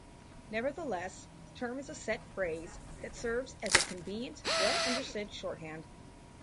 Nevertheless, the term is a set phrase that serves as a convenient, well-understood shorthand.